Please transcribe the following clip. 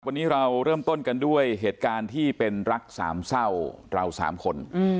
วันนี้เราเริ่มต้นกันด้วยเหตุการณ์ที่เป็นรักสามเศร้าเราสามคน